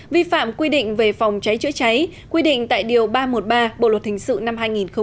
vi phạm quy định về phòng cháy chữa cháy quy định tại điều ba trăm một mươi ba bộ luật hình sự năm hai nghìn một mươi năm